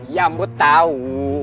ya mbu tahu